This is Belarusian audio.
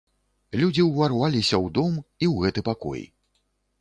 Людзі ўварваліся ў дом і ў гэты пакой.